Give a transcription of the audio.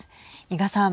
伊賀さん。